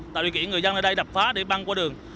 tạo điều kiện người dân ở đây đập phá để băng qua đường